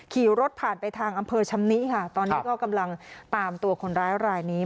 ขี่รถผ่านไปทางอำเภอชำนิค่ะตอนนี้ก็กำลังตามตัวคนร้ายรายนี้